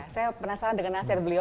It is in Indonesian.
saya penasaran dengan nasir beliau